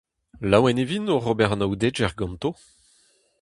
Laouen e vin oc'h ober anaoudegezh ganto !